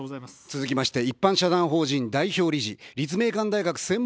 続きまして、一般社団法人代表理事、立命館大学専門研究員。